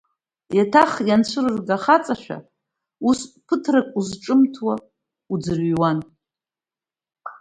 Еиҭах ианцәырырга ахаҵашәа, ус ԥыҭрак узҿымҭуа уӡырҩуан.